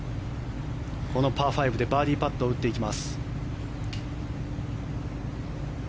このパー５でバーディーパットを打っていきます。